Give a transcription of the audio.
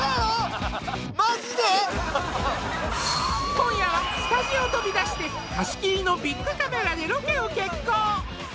今夜はスタジオを飛び出して貸し切りのビックカメラでロケを決行